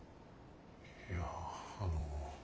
いやあの。